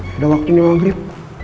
sudah waktunya maghrib